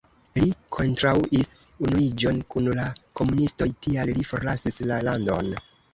Li kontraŭis unuiĝon kun la komunistoj, tial li forlasis la landon.